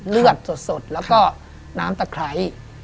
เลือดสดแล้วก็น้ำตะไคร้